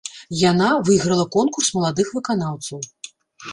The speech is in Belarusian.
Яна выйграла конкурс маладых выканаўцаў.